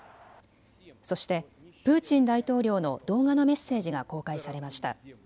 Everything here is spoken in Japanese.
そしてプーチン大統領の動画のメッセージが公開されました。